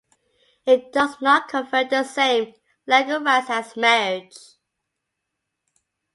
It does not confer the same legal rights as marriage.